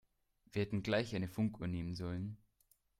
Wir hätten gleich eine Funkuhr nehmen sollen.